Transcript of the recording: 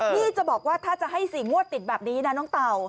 นี่จะบอกว่าถ้าจะให้๔งวดติดแบบนี้นะน้องเต่า